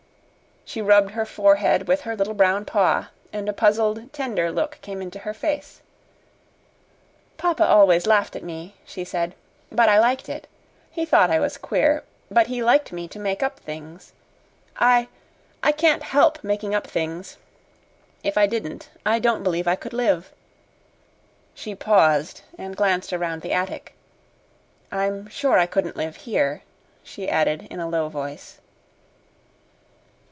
She rubbed her forehead with her little brown paw, and a puzzled, tender look came into her face. "Papa always laughed at me," she said; "but I liked it. He thought I was queer, but he liked me to make up things. I I can't help making up things. If I didn't, I don't believe I could live." She paused and glanced around the attic. "I'm sure I couldn't live here," she added in a low voice.